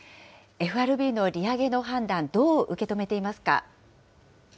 ＦＲＢの利上げの判断、どう受け止めていますか。